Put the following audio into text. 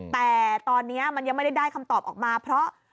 แต่ตอนนี้มันยังไม่ได้ได้คำตอบออกมาเพราะ